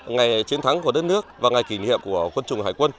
ngày chiến thắng của đất nước và ngày kỷ niệm của quân chủng hải quân